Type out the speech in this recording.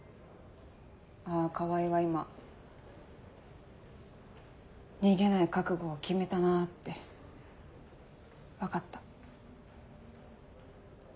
あぁ川合は今逃げない覚悟を決めたなって分かった。